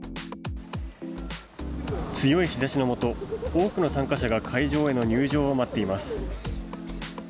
強い日差しのもと多くの参加者が会場への入場を待っています。